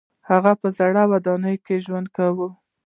هغوی په زړو ودانیو کې ژوند کوي.